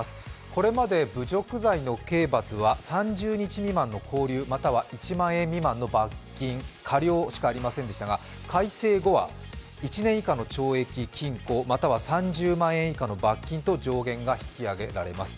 これまで侮辱罪の刑罰は３０日未満の拘留または１万円未満の罰金科料しかありませんでしたが、改正後は１年以下の懲役・禁錮または３０万円以下の罰金と上限が引き上げられます。